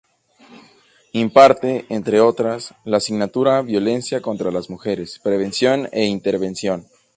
Imparte, entre otras, la asignatura "Violencia contra las mujeres: Prevención e intervención".